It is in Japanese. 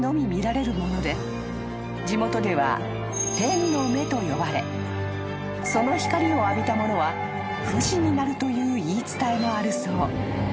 ［地元では「天の目」と呼ばれその光を浴びた者は不死になるという言い伝えもあるそう］